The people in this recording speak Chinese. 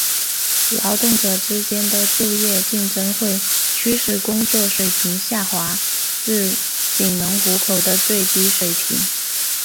劳动者之间的就业竞争会驱使工资水平下滑至仅能糊口的最低水平。